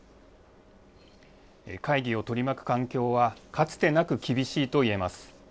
会議を取り巻く環境は、かつてなく厳しいと言えます。